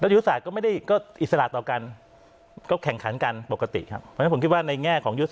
ยุฒิษฐานก็ไม่ได้อิสระต่อกันก็แข่งขันกันปกติครับ